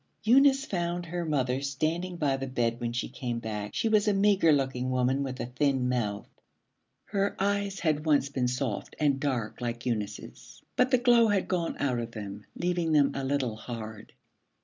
Eunice found her mother standing by the bed when she came back. She was a meagre looking woman with a thin mouth. Her eyes had once been soft and dark like Eunice's, but the glow had gone out of them, leaving them a little hard.